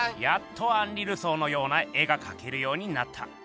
「やっとアンリ・ルソーのような絵が描けるようになった」。